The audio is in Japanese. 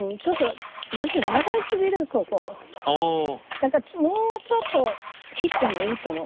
だからもうちょっと切ってもいいと思う。